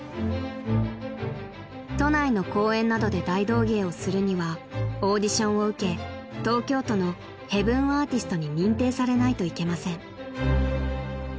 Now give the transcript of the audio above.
［都内の公園などで大道芸をするにはオーディションを受け東京都のヘブンアーティストに認定されないといけません］